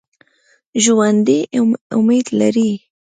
ژوندي امید لري